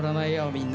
みんな。